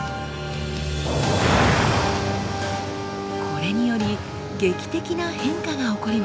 これにより劇的な変化が起こります。